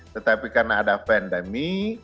tetapi karena ada pandemi